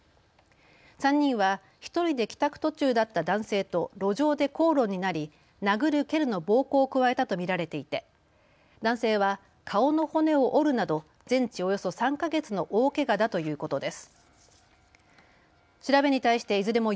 ３人は１人で帰宅途中だった男性と路上で口論になり殴る蹴るの暴行を加えたと見られていて男性は顔の骨を折るなど全治およそ３か月の大けがだということです。